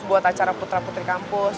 buat acara putra putri kampus